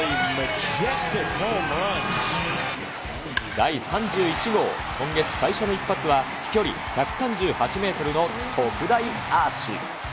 第３１号、今月最初の一発は、飛距離１３８メートルの特大アーチ。